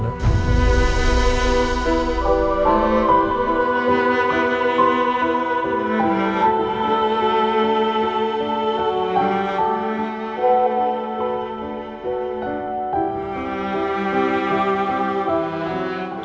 rena udah ketemu